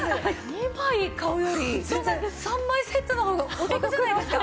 ２枚買うより３枚セットの方がお得じゃないですか。